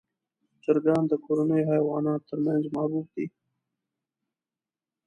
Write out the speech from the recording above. چرګان د کورنیو حیواناتو تر منځ محبوب دي.